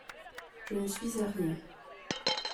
Je ne suis à rien…